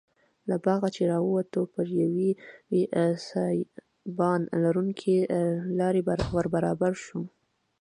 له باغه چې راووتو پر یوې سایبان لرونکې لارې وربرابر شوو.